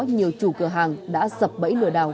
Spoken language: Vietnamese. nhiều chủ cửa hàng đã sập bẫy lừa đảo